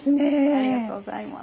ありがとうございます。